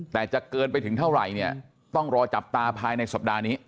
แต่จะเกินไปถึงเท่าไหร่เนี่ยต้องรอจับตาภายในสัปดาห์นี้